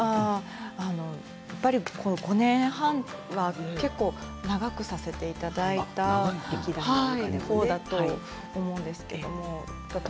やっぱり５年半は結構長くさせていただいた方だと思うんですけど。